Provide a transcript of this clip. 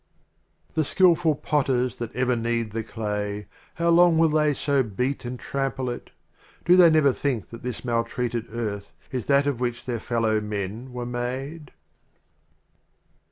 62 XXXVIII. The skillful Potters that ever knead T Q e JJ teral the Clay, — How long will they so beat and trample it ! Do they never think that this mal treated Earth Is that of which their Fellow Men were made?